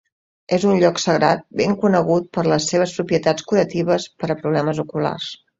És un lloc sagrat ben conegut per les seves propietats curatives per a problemes oculars.